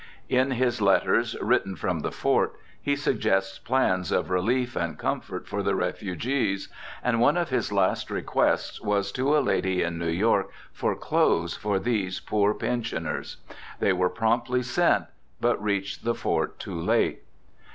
In his letters written from the fort he suggests plans of relief and comfort for the refugees; and one of his last requests was to a lady in New York for clothes for these poor pensioners. They were promptly sent, but reached the fort too late.